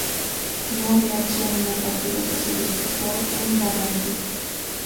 No vio acción en el partido que se disputó en Barranquilla.